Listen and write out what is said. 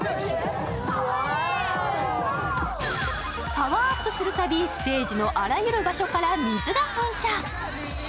パワーアップするたびステージのあらゆる場所から水が噴射。